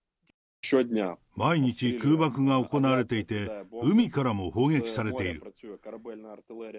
毎日空爆が行われていて、海からも砲撃されている。